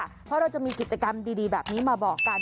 เพราะเราจะมีกิจกรรมดีแบบนี้มาบอกกัน